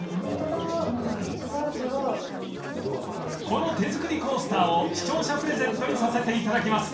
［この手作りコースターを視聴者プレゼントにさせていただきます］